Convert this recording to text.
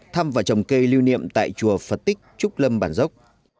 thăm và trồng cây lưu niệm tại chùa phật tích trúc lâm bản dốc